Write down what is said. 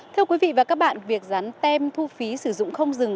thưa quý vị và các bạn việc dán tem thu phí sử dụng không dừng